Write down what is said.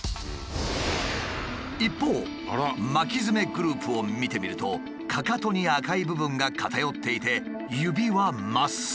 一方巻きヅメグループを見てみるとかかとに赤い部分が偏っていて指は真っ青。